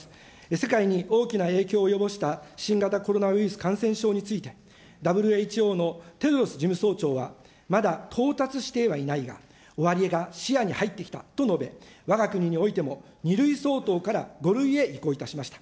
世界に大きな影響を及ぼした新型コロナウイルス感染症について、ＷＨＯのテドロス事務総長はまだ到達してはいないが、終わりが視野に入ってきたと述べ、わが国においても、２類相当から５類へ移行いたしました。